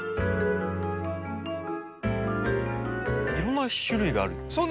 いろんな種類があるんですね。